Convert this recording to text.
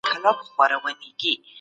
که زعفران ښه وچ شي رنګ یې ښه پاتې کېږي.